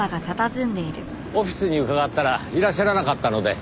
オフィスに伺ったらいらっしゃらなかったので。